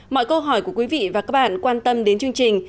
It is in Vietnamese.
mọi câu hỏi của quý vị và các bạn quan tâm đến chương trình